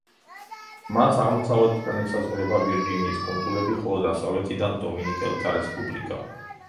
მას აღმოსავლეთიდან ესაზღვრება ვირჯინიის კუნძულები, ხოლო დასავლეთიდან დომინიკელთა რესპუბლიკა.